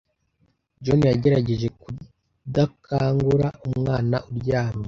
John yagerageje kudakangura umwana uryamye.